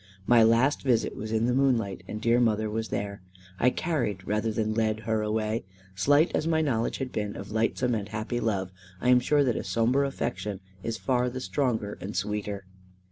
My last visit was in the moonlight, and dear mother was there. I carried rather than led her away. Slight as my knowledge has been of lightsome and happy love, I am sure that a sombre affection is far the stronger and sweeter.